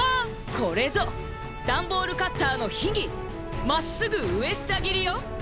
これぞダンボールカッターのひぎ「まっすぐうえしたぎり」よ！